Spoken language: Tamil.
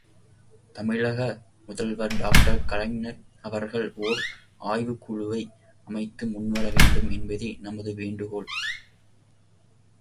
தமிழக முதல்வர் டாக்டர் கலைஞர் அவர்கள் ஓர் ஆய்வுக்குழுவை அமைத்து முன்வர வேண்டும் என்பதே நமது வேண்டுகோள்.